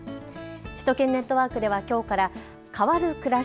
首都圏ネットワークではきょうから変わるくらし